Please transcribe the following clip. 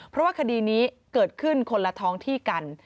เพราะว่าคดีนี้เกิดขึ้นคนละท้องที่กัน